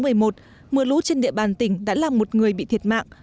mưa lũ trên địa bàn tỉnh đã làm một người bị thiệt mạng